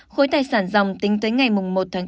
khối tài sản dòng tính tới ngày một tháng chín